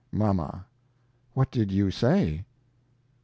"MAMA What did you say?